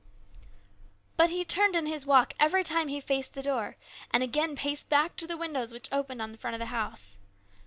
But he turned in his walk every time he faced his door, and again paced back to the windows which opened on the front of the house.